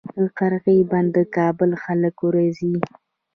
د قرغې بند د کابل خلک ورځي